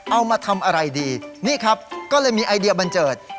เอามาทำอะไรดีนี่ครับก็เลยมีไอเดียบันเจิด